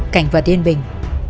cảnh vào tiên bình